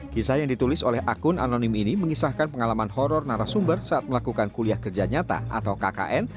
kisah yang ditulis oleh akun anonim ini mengisahkan pengalaman horror narasumber saat melakukan kuliah kerja nyata atau kkn